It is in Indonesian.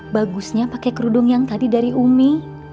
bagusnya pakai kerudung yang tadi dari umi